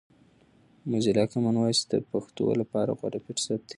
موزیلا کامن وایس د پښتو لپاره غوره فرصت دی.